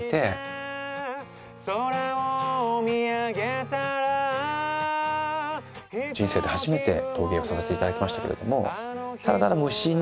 「空を見上げたら」人生で初めて陶芸をさせていただきましたけれどもただただ無心に。